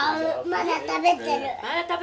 まだ食べてる。